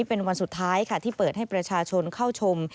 เป็นวันสุดท้ายค่ะที่เปิดให้ประชาชนเข้าชม